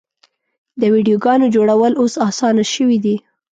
د ویډیوګانو جوړول اوس اسانه شوي دي.